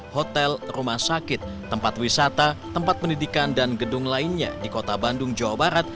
hotel rumah sakit tempat wisata tempat pendidikan dan gedung lainnya di kota bandung jawa barat